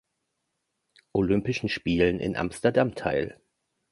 Olympischen Spielen in Amsterdam teil.